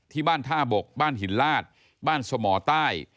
ที่บ้านท่าบกบ้านหินลาดบ้านสมอใต้